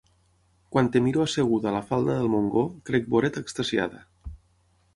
Quan et mire asseguda a la falda del Montgó, crec veure't extasiada.